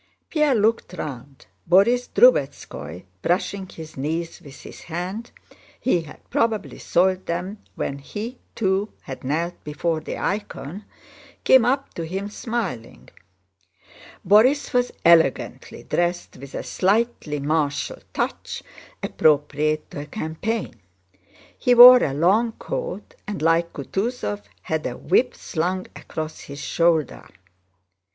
Pierre looked round. Borís Drubetskóy, brushing his knees with his hand (he had probably soiled them when he, too, had knelt before the icon), came up to him smiling. Borís was elegantly dressed, with a slightly martial touch appropriate to a campaign. He wore a long coat and like Kutúzov had a whip slung across his shoulder.